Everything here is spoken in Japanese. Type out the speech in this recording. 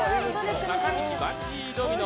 坂道バンジードミノ。